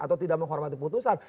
atau tidak menghormati putusan